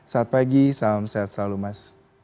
saat pagi salam sehat selalu mas